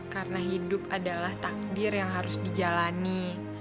karena hidup adalah takdir yang harus dijalani